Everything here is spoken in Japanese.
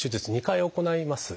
２回行います。